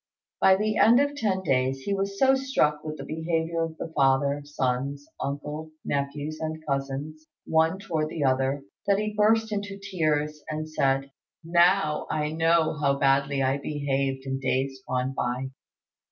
By the end of ten days he was so struck with the behaviour of the father, sons, uncle, nephew, and cousins, one toward the other, that he burst into tears, and said, "Now I know how badly I behaved in days gone by."